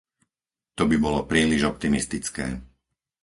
To by bolo príliš optimistické.